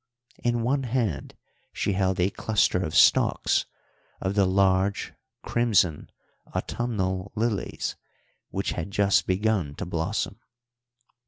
In one hand she held a cluster of stalks of the large, crimson, autumnal lilies which had just begun to blossom.